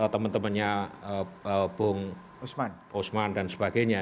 teman temannya bung usman dan sebagainya